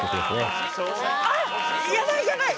あっやばいやばい。